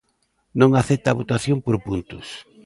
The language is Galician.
Non acepta a votación por puntos.